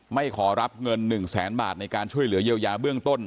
ไม่ขอรับเงิน๑แสนบาทในการช่วยเหลือเยียวยาเบื้องต้น